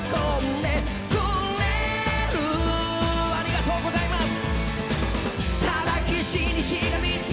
ありがとうございます！